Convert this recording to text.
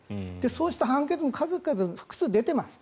そうした判決も数々、複数出ています。